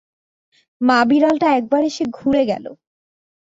মা-বিড়ালটা একবার এসে ঘুরে গেল।